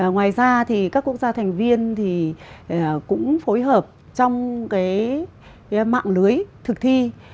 ngoài ra thì các quốc gia thành viên thì cũng phối hợp trong cái mạng lưới thực thi